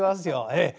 ええ。